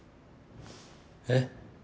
えっ？